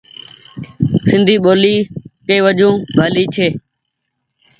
سندي ٻولي ڪي وجون ڀلي ڇي۔